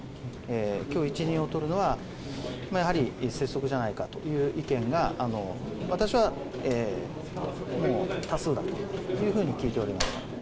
きょう一任を取るのは、やはり拙速じゃないかという意見が、私はもう多数だというふうに聞いております。